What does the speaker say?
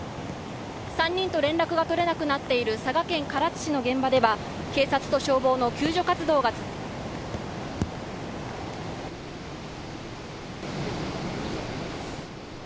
３人と連絡が取れなくなっている佐賀県唐津市の現場では、警察と消防の救助活動が続いています